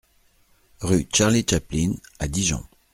Rue Charlie Chaplin à Dijon